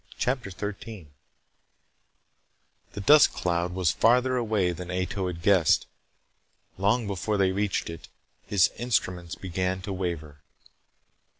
CHAPTER 13 The dust cloud was farther away than Ato had guessed. Long before they reached it, his instruments began to waver.